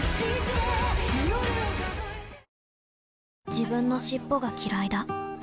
自分の尻尾がきらいだ